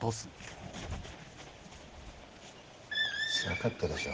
つらかったでしょ。